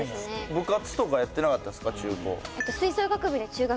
部活とかやってなかったですか中高？